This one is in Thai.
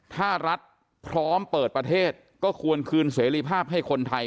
ถ้ารัฐพร้อมเปิดประเทศก็ควรคืนเสรีภาพให้คนไทย